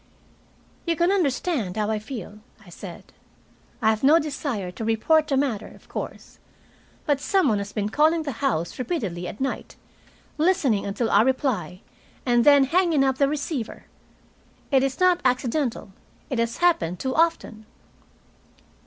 "You can understand how I feel," I said. "I have no desire to report the matter, of course. But some one has been calling the house repeatedly at night, listening until I reply, and then hanging up the receiver. It is not accidental. It has happened too often."